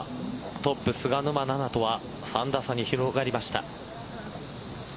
トップ菅沼菜々とは３打差に広がりました。